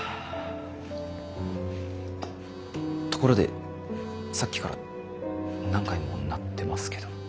ところでさっきから何回も鳴ってますけど。